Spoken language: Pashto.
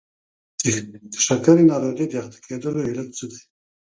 د شکرې په ناروغۍ د اخته کېدلو علت څه دی؟